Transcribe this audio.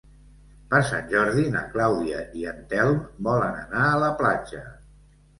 Per Sant Jordi na Clàudia i en Telm volen anar a la platja.